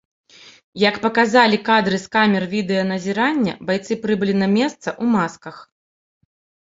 Як паказалі кадры з камер відэаназірання, байцы прыбылі на месца ў масках.